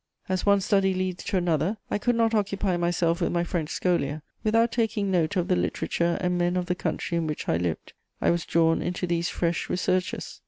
As one study leads to another, I could not occupy myself with my French scholia without taking note of the literature and men of the country in which I lived: I was drawn into these fresh researches.